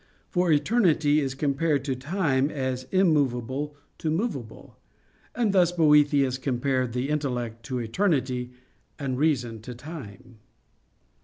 For eternity is compared to time as immovable to movable. And thus Boethius compared the intellect to eternity, and reason to time.